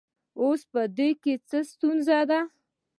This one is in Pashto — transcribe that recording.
اوس په دې کې څه ستونزه ده